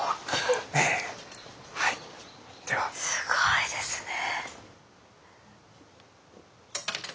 すごいですね。